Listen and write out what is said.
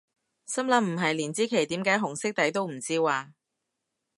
心諗唔係連支旗點解紅色底都唔知咓？